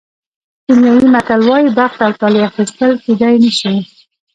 کینیايي متل وایي بخت او طالع اخیستل کېدای نه شي.